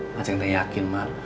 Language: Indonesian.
mas yang gak yakin mah